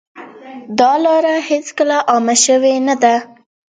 دا لاره هېڅکله عامه شوې نه ده.